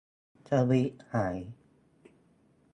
ทวีตหาย